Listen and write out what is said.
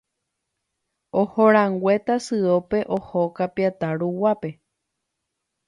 Ohorãngue Tasyópe oho Kapiatã ruguápe.